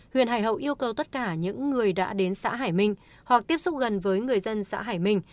huyện hải hậu yêu cầu tất cả những người đã đến xã hải minh hoặc tiếp xúc gần với người dân xã hải minh